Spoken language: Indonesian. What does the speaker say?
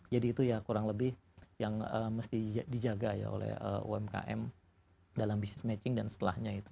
jadi itu ya kurang lebih yang mesti dijaga ya oleh umkm dalam business matching dan setelahnya itu